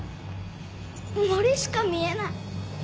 森しか見えない。